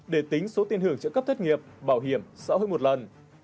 để tính số tiền hưởng trợ cấp thất nghiệp bảo hiểm xã hội một lần